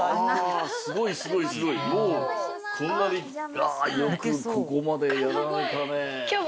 もうこんなによくここまでやられたね。